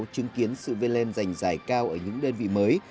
chứng kiến sự viên lên dành giải cao ở những đơn vị mới